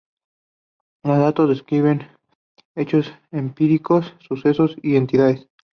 Los datos describen hechos empíricos, sucesos y entidades.